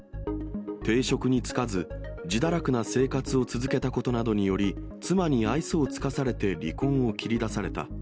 定職に就かず、自堕落な生活を続けたことなどにより、妻に愛想を尽かされて離婚を切り出された。